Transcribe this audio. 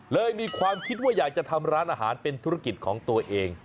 มีความคิดว่าอยากจะทำร้านอาหารเป็นธุรกิจของตัวเอง